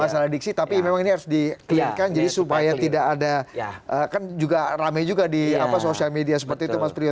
masalah diksi tapi memang ini harus di clear kan jadi supaya tidak ada kan juga rame juga di sosial media seperti itu mas priyo